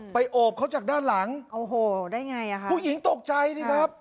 โอบเขาจากด้านหลังโอ้โหได้ไงอ่ะค่ะผู้หญิงตกใจสิครับ